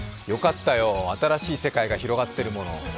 よかったよ、新しい世界が広がってるもの。